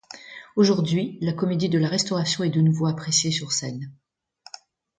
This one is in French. Aujourd'hui la comédie de la Restauration est de nouveau appréciée sur scène.